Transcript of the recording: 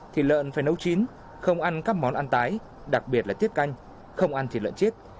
thịt lợn phải nấu chín không ăn các món ăn tái đặc biệt là tiết canh không ăn thịt lợn chết